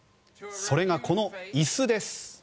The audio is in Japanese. それが、この椅子です。